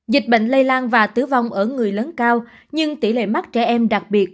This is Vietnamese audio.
dịch bệnh lây lan và tử vong ở người lớn cao nhưng tỷ lệ mắc trẻ em đặc biệt